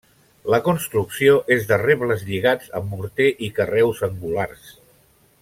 La construcció és de rebles lligats amb morter i carreus angulars.